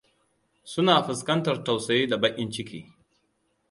Suna fuskantar tausayi da bakin ciki.